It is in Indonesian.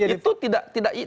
itu tidak adil